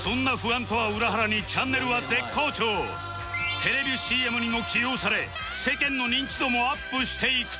テレビ ＣＭ にも起用され世間の認知度もアップしていくと